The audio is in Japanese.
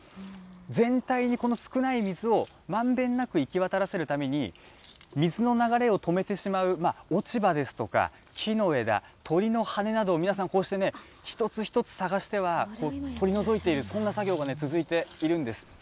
全体にこの少ない水をまんべんなくいきわたらせるために水の流れを止めてしまう落ち葉ですとか、木の枝、鳥の羽などを皆さんこうしてね、一つ一つ探しては取り除いている、そんな作業が続いているんです。